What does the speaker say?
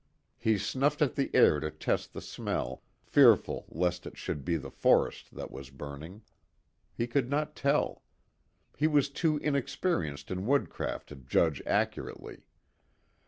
He snuffed at the air to test the smell, fearful lest it should be the forest that was burning. He could not tell. He was too inexperienced in woodcraft to judge accurately.